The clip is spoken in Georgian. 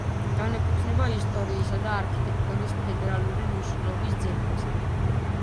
განეკუთვნება ისტორიისა და არქიტექტურის ფედერალური მნიშვნელობის ძეგლებს.